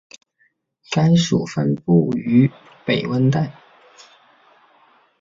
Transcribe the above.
该属分布于北温带。